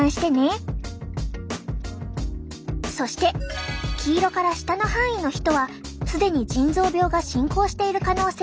そして黄色から下の範囲の人は既に腎臓病が進行している可能性が高いよ。